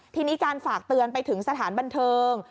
ทีนี้การฝากเตือนไปถึงสถานบันเทิง